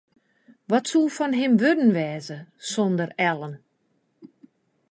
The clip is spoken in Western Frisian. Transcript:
Wat soe fan him wurden wêze sonder Ellen?